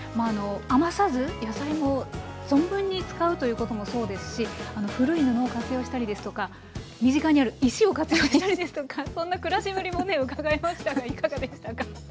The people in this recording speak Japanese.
余さず野菜も存分に使うということもそうですし古い布を活用したりですとか身近にある石を活用したりですとかそんな暮らしぶりもねうかがえましたがいかがでしたか。